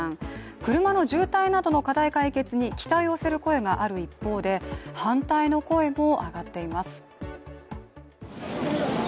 車の渋滞などの課題解決に期待を寄せる声がある一方で、反対の声も上がっています。